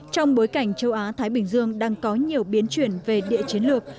trong bối cảnh châu á thái bình dương đang có nhiều biến chuyển về địa chiến lược